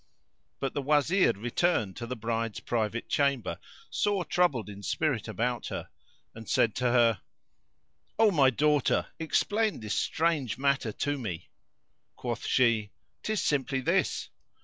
But the Wazir returned to the bride's private chamber, sore troubled in spirit about her, and said to her, "O my daughter, explain this strange matter to me!" Quoth she, "Tis simply this.